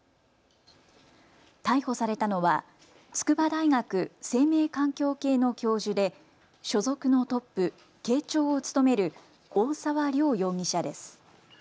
逮捕されたのは筑波大学生命環境系の教授で所属のトップ、系長を務める大澤良容疑者です。